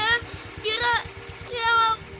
nadira ya pak